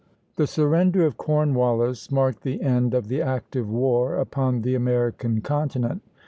The surrender of Cornwallis marked the end of the active war upon the American continent.